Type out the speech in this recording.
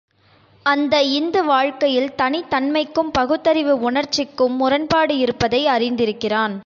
அந்த இந்து வாழ்க்கையில் தனித் தன்மைக்கும் பகுத்தறிவு உணர்ச்சிக்கும் முரண்பாடு இருப்பதை அறிந்திருக்கிறான்.